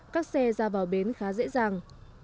các xe ra vào bến khá dễ dàng